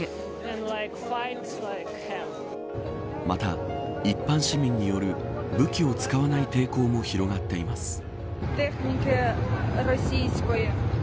また、一般市民による武器を使わない抵抗も広がっています。